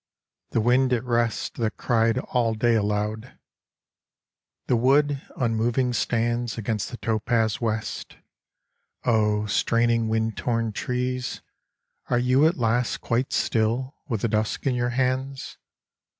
The wind at rest That cried all day aloud. The wood unmoving stands Against the topaz west. Oh, straining wind torn trees, Are you at last quite still With the dusk in your hands?